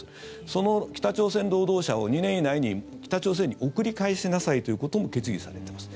その北朝鮮労働者を２年以内に北朝鮮に送り返しなさいということも決議されています。